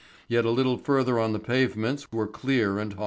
Yet a little further on the pavements were clear and hard.